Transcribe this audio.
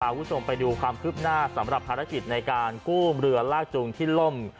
คุณผู้ชมไปดูความคืบหน้าสำหรับภารกิจในการกู้เรือลากจูงที่ล่ม